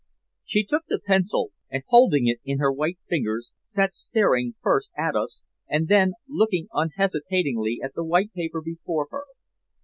She took the pencil, and holding it in her white fingers sat staring first at us, and then looking hesitatingly at the white paper before her.